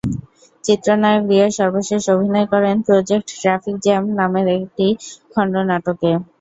চিত্রনায়ক রিয়াজ সর্বশেষ অভিনয় করেন প্রোজেক্ট ট্রাফিক জ্যাম নামের একটি খণ্ড নাটকে।